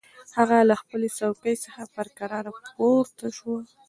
هغه له خپلې څوکۍ څخه په کراره پورته شوه.